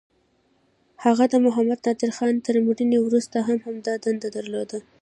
هغه د محمد نادرخان تر مړینې وروسته هم همدغه دنده درلوده.